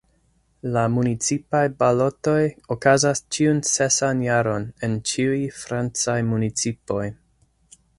La municipaj balotoj okazas ĉiun sesan jaron en ĉiuj francaj municipoj.